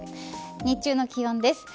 日中の気温です。